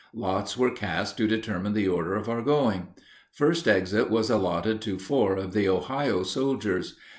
Lots were cast to determine the order of our going. First exit was allotted to four of the Ohio soldiers.